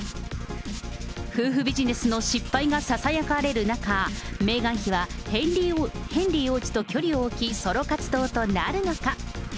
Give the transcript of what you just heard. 夫婦ビジネスの失敗がささやかれる中、メーガン妃はヘンリー王子と距離を置き、ソロ活動となるのか。